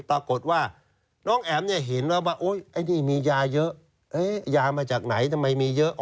ตรงนี้มียาเยอะยามาจากไหนทำไมมีเยอะ